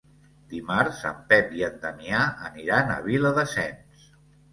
Dimarts en Pep i en Damià aniran a Viladasens.